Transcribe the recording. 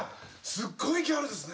すごいギャルですね。